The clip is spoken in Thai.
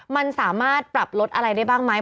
มันสามารถปรับลดอะไรได้บ้างไหม